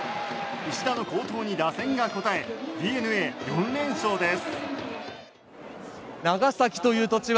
石田の好投に打線が応えＤｅＮＡ４連勝です。